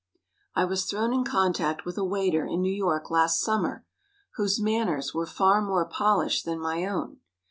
I was thrown in contact with a waiter in New York last summer, whose manners were far more polished than my own.